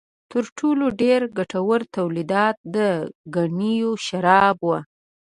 تر ټولو ډېر ګټور تولیدات د ګنیو شراب و.